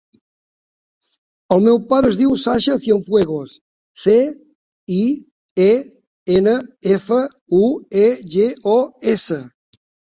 El meu pare es diu Sasha Cienfuegos: ce, i, e, ena, efa, u, e, ge, o, essa.